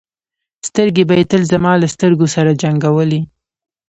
سترګې به یې تل زما له سترګو سره جنګولې.